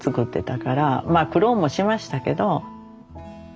まあ苦労もしましたけど。